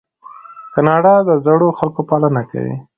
کاناډا د زړو خلکو پالنه کوي.